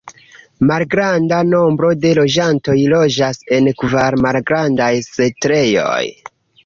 Malgranda nombro de loĝantoj loĝas en kvar malgrandaj setlejoj.